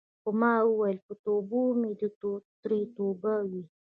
خو ما ویل په توبو مې دې ترې توبه وي.